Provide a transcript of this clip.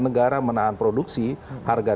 negara menahan produksi harga